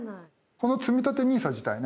このつみたてＮＩＳＡ自体ね